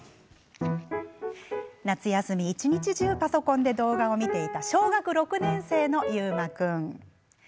夏休み、一日中パソコンで動画を見ていた小学６年生の、ゆうま君。